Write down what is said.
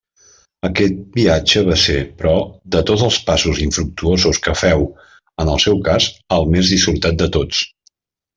Aquest viatge va ser, però, de tots els passos infructuosos que féu en el seu cas, el més dissortat de tots.